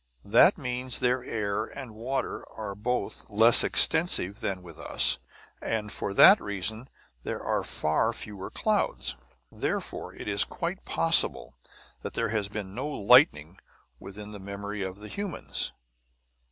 That means, their air and water are both less extensive than with us, and for that reason there are far fewer clouds; therefore, it is quite possible that there has been no lightning within the memory of the humans."